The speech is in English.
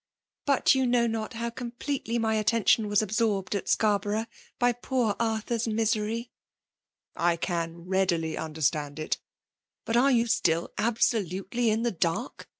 But you know not how completely my attention was absorbed at Scarborough by poor Arthur s misery," " I can readily understand it But are you stiU absolutely in the dark